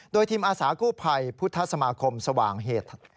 โดยทีมอาสากู้ภัยพุทธสมาคมสว่างเหตุ